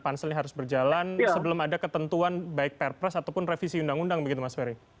panselnya harus berjalan sebelum ada ketentuan baik perpres ataupun revisi undang undang begitu mas ferry